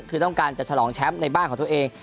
คือต้องการจะฉลองแชมป์ในบ้านของตัวเอง